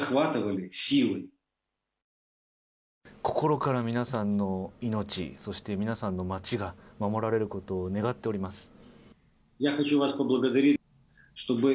心から皆さんの命そして、皆さんの街が守られることを願っております。